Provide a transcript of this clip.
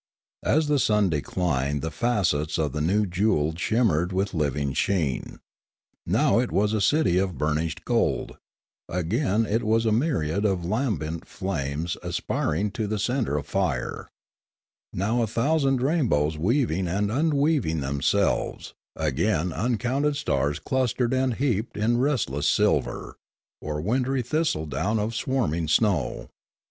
As the sun declined the facets of the new jewel shimmered with living sheen: now it was a city of burnished gold, 160 Limanora again it was a myriad of lambent flames aspiring to the centre of fire: now a thousand rainbows weaving and unweaving themselves, again uncounted stars clustered and heaped in restless silver, or wintry thistledown of swarming snow.